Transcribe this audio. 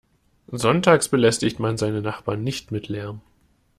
Sonntags belästigt man seine Nachbarn nicht mit Lärm.